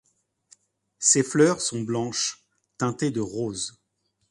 Ses fleurs sont blanches, teintées de rose.